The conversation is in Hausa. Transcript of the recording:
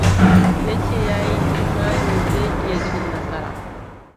Ya ce ya yi imanin zai iya cin nasara.